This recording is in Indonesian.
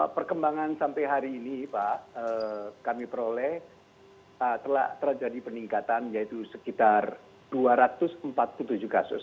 perkembangan sampai hari ini pak kami peroleh telah terjadi peningkatan yaitu sekitar dua ratus empat puluh tujuh kasus